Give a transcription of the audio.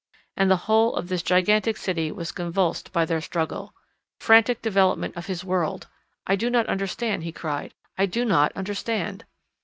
And the whole of this gigantic city was convulsed by their struggle. Frantic development of his world! "I do not understand," he cried. "I do not understand!"